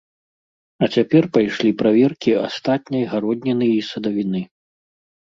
А цяпер пайшлі праверкі астатняй гародніны і садавіны.